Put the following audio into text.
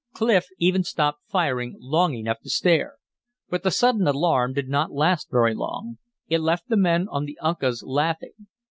Clif even stopped firing long enough to stare. But the sudden alarm did not last very long; it left the men on the Uncas laughing.